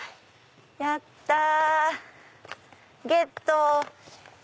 やった！ゲット！